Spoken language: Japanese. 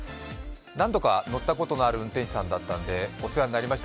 何度か乗ったことがある運転手さんだったので、お世話になりました